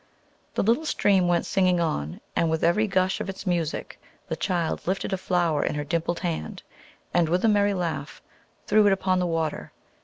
The little stream went singing on, and with every gush of its music the child lifted a flower in her dimpled hand, and, with a merry laugh, threw it upon the water.